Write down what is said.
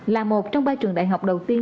là một trong ba trường đại học đầu tiên